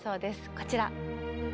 こちら。